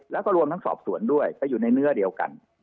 แล้วก็รวมทั้งสอบสวนด้วยไปอยู่ในเนื้อเดียวกัน